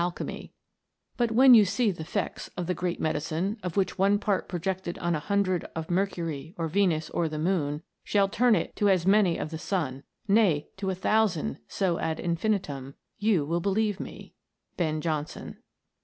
obtrn "But when you see th' effects of the Great Medicine, Of which one part projected on a hundred Of Mercury, or Venus, or the Moon, Shall turn it to as many of the Sun, Nay, to a thousand, so ad infinitum, You will believe me." BEN JONSON.